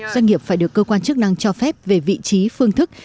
doanh nghiệp phải được cơ quan chức năng cho phép về vị trí phương thức